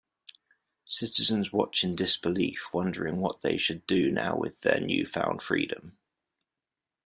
Citizens watch in disbelief, wondering what they should do now with their new-found freedom.